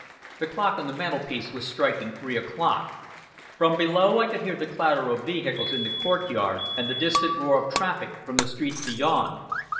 The clock on the mantelpiece was striking three o'clock; from below I could hear the clatter of vehicles in the courtyard, and the distant roar of traffic from the streets beyond.